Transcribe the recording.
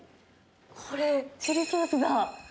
これ、チリソースだ。